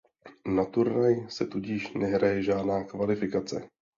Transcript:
Na turnaj se tudíž nehraje žádná kvalifikace.